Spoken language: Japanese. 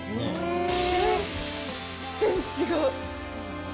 全然違う。